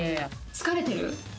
疲れてる？